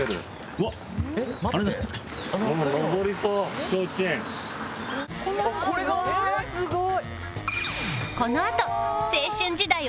うわあすごい！